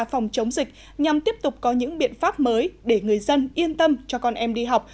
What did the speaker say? phòng chống dịch nhằm tiếp tục có những biện pháp mới để người dân yên tâm cho con em đi học